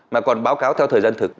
mà còn báo cáo theo thời dân thực